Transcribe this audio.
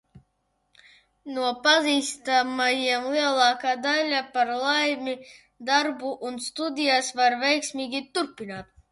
No pazīstamajiem lielākā daļa, par laimi, darbu un studijas var veiksmīgi turpināt.